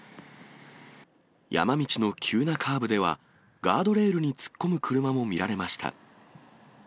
山道の急なカーブでは、ガードレールに突っ込む車も見られました。